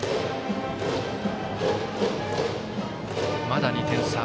まだ２点差。